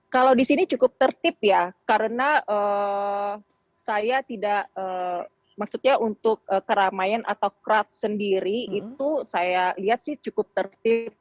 kalau di sini cukup tertib ya karena saya tidak maksudnya untuk keramaian atau crab sendiri itu saya lihat sih cukup tertib